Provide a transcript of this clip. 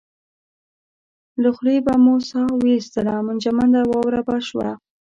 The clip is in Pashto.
له خولې به مو ساه واېستله منجمده واوره به شوه.